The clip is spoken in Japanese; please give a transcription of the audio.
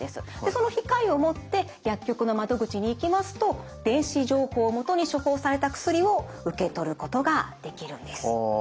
その控えを持って薬局の窓口に行きますと電子情報をもとに処方された薬を受け取ることができるんです。